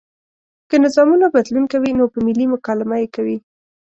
که نظامونه بدلون کوي نو په ملي مکالمه یې کوي.